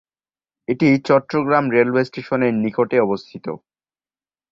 এটি চট্টগ্রাম রেলওয়ে স্টেশনের নিকট অবস্থিত।